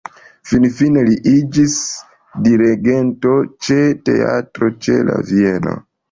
Finfine li iĝis dirigento ĉe Teatro ĉe la Vieno.